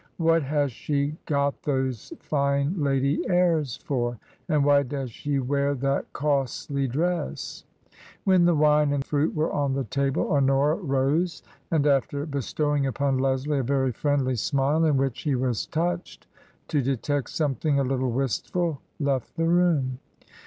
" What has she got those fine lady airs for ? and why does she wear that costly dress ?" When the wine and fruit were on the table, Honora rose, and, after bestowing upon Leslie a very friendly smile, in which he was touched to detect something a little wistful, left the room.